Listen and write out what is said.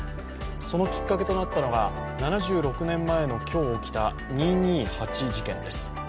そのきっかけとなったのが７６年前の今日起きた二・二八事件です。